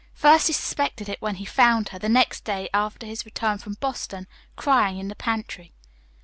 First he suspected it when he found her, the next day after his return from Boston, crying in the pantry.